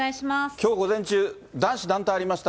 きょう午前中、男子団体ありました。